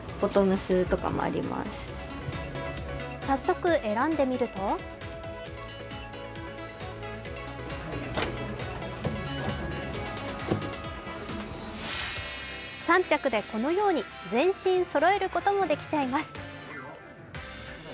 早速、選んでみると３着で、このように全身そろえることもできちゃいます。